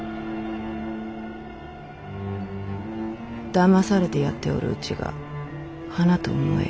だまされてやっておるうちが花と思えよ。